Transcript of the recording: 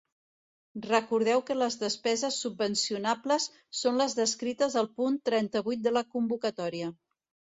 Recordeu que les despeses subvencionables són les descrites al punt trenta-vuit de la convocatòria.